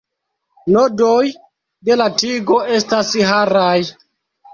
Nodoj de la tigo estas haraj.